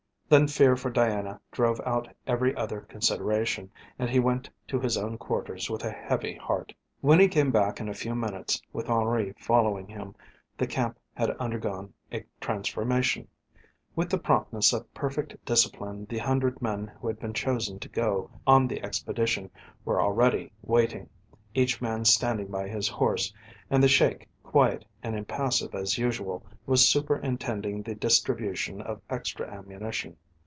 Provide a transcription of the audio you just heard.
Then fear for Diana drove out every other consideration, and he went to his own quarters with a heavy heart. When he came back in a few minutes with Henri following him the camp had undergone a transformation. With the promptness of perfect discipline the hundred men who had been chosen to go on the expedition were already waiting, each man standing by his horse, and the Sheik, quiet and impassive as usual, was superintending the distribution of extra ammunition.